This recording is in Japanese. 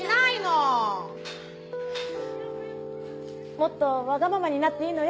もっとわがままになっていいのよ